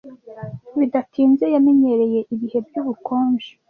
Bidatinze yamenyereye ibihe by'ubukonje.